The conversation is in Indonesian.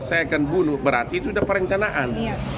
saya akan bunuh berarti itu sudah perencanaan